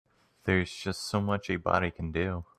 There's just so much a body can do.